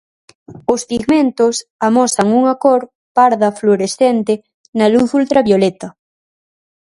Os pigmentos amosan unha cor parda fluorescente na luz ultravioleta.